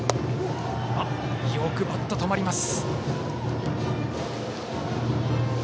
よくバット、止まります。